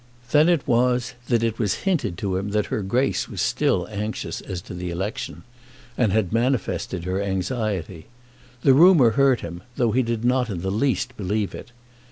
Then it was that it was hinted to him that her Grace was still anxious as to the election, and had manifested her anxiety. The rumour hurt him, though he did not in the least believe it.